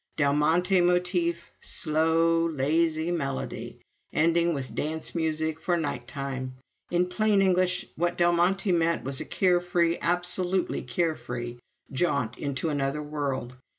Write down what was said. Del Monte motif slow, lazy melody ending with dance music for night time. In plain English, what Del Monte meant was a care free, absolutely care free, jaunt into another world.